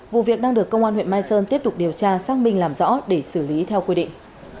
vụ việc đang được công an huyện mai sơn tiếp tục điều tra xác minh làm rõ để xử lý theo quy định